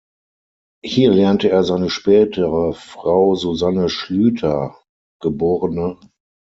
Hier lernte er seine spätere Frau Susanne Schlüter, geb.